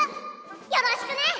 よろしくね。